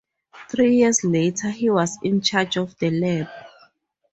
Three years later, he was in charge of the lab.